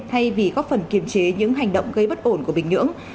thay vì góp phần kiềm chế những hành động gây bất ổn của bình nhưỡng